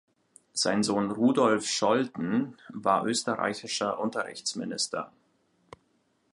Sein Sohn Rudolf Scholten war österreichischer Unterrichtsminister.